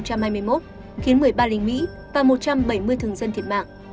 khiến một mươi ba lính mỹ và một trăm bảy mươi thường dân thiệt mạng